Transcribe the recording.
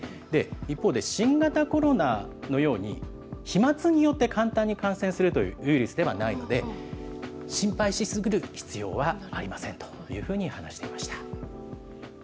一方で、新型コロナのように、飛まつによって簡単に感染するというウイルスではないので、心配し過ぎる必要はありませんというふうに話していました。